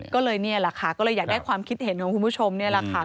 ก็เลยนี่แหละค่ะก็เลยอยากได้ความคิดเห็นของคุณผู้ชมนี่แหละค่ะ